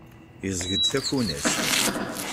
Yeẓẓeg-d tafunast.